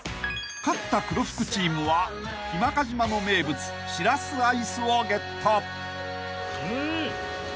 ［勝った黒服チームは日間賀島の名物しらすアイスをゲット］